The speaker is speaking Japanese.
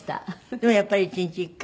でもやっぱり１日１回？